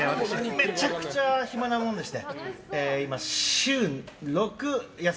めちゃくちゃ暇なものでして。